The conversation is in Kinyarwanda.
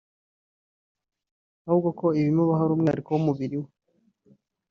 ahubwo ko ibimubaho ari umwihariko w’ umubiri we